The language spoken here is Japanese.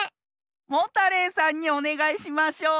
モタレイさんにおねがいしましょう。